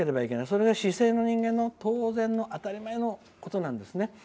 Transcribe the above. それが人間の当然の当たり前のことなんですね。